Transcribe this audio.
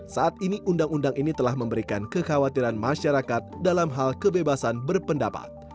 saat ini undang undang ini telah memberikan kekhawatiran masyarakat dalam hal kebebasan berpendapat